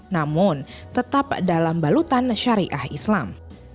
namun tetap dalam balutan syariah islam